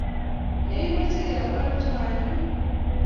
Ye imeche kebwaa tuwai, nyoo